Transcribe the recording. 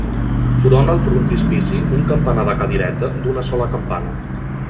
Corona el frontispici un campanar de cadireta d'una sola campana.